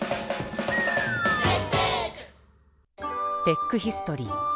テックヒストリー。